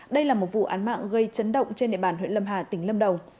đây là một vụ án mạng gây chấn động trên địa bàn huyện lâm hà tỉnh lâm đồng